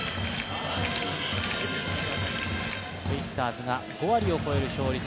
ベイスターズが５割を超える勝率。